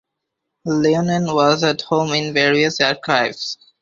Leinonen was at home in various archives.